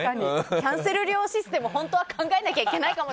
キャンセル料システム考えないといけないかも。